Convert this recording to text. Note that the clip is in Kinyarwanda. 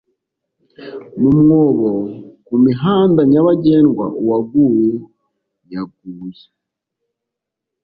Mu mwobo ku mihandanyabagendwa uwaguye yaguye